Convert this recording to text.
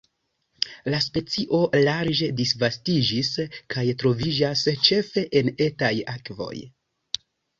La specio larĝe disvastiĝis kaj troviĝas ĉefe en etaj akvoj.